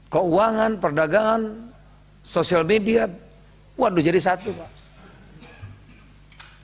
keuangan perdagangan sosial media waduh jadi satu pak